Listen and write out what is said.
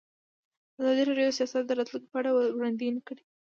ازادي راډیو د سیاست د راتلونکې په اړه وړاندوینې کړې.